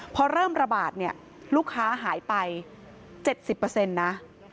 พอเริ่มระบาดเนี่ยลูกค้าหายไป๗๐นะ